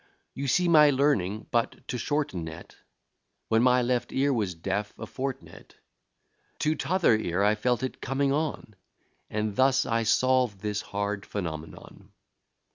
You see my learning; but, to shorten it, When my left ear was deaf a fortnight, To t'other ear I felt it coming on: And thus I solve this hard phenomenon.